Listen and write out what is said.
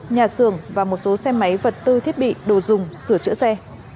nhà xưởng và một số xe máy vật tư thiết bị đồ dùng sửa chữa xe